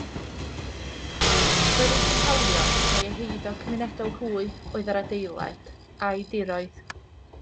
Roeddynt yn hawlio mae eu heiddo cymunedol hwy oedd yr adeilad a'i diroedd.